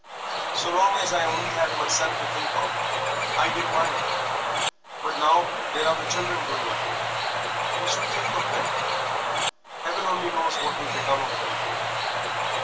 "So long as I only had myself to think of I didn't mind; but now there are the children growing up. He should think of them. Heaven only knows what will become of them...